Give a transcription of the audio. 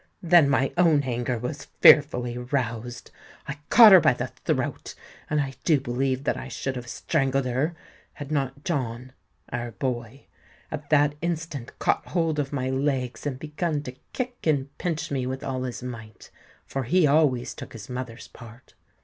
Then my own anger was fearfully roused: I caught her by the throat, and I do believe that I should have strangled her, had not John—our boy—at that instant caught hold of my legs and begun to kick and pinch me with all his might—for he always took his mother's part.